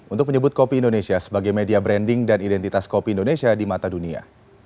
untuk menyebut kopi indonesia sebagai media branding dan identitas kopi indonesia di mata dunia